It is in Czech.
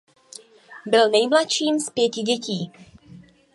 Byl nejmladším z pěti dětí.